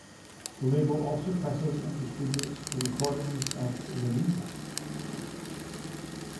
The label also presses and distributes the recordings of Lyrita.